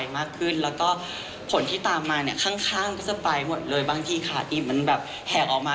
แต่พอทำไม่ค่อยเจ็บเท่าไหร่มันแป๊บไปเฉย